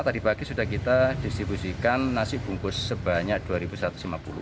tadi pagi sudah kita distribusikan nasi bungkus sebanyak rp dua satu ratus lima puluh